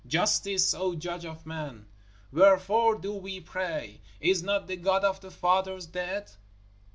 Justice, O judge of men! Wherefore do we pray? Is not the God of the fathers dead?